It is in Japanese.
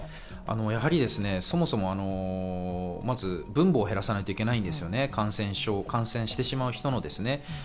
やはり、そもそも分母を減らさないといけないんですよ、感染してしまう人のですね。